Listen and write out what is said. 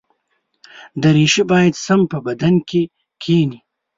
دریشي باید سم په بدن کې کېني.